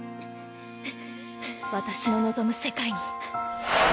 私の望む世界に